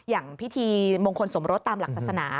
อย่างพิธีมงคลสมรสตามหลักศาสนา